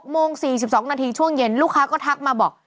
โมง๔๒นาทีช่วงเย็นลูกค้าก็ทักมาบอก